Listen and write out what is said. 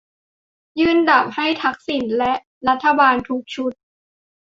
ยื่นดาบให้ "ทักษิณ" และรัฐบาลทุกชุด